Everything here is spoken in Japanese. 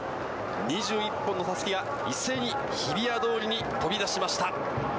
２１本のたすきが一斉に日比谷通りに飛び出しました。